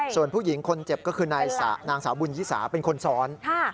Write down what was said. ส่วนผู้หญิงคนเจ็บก็คือนางสาวบุญยิสาเป็นคนซ้อน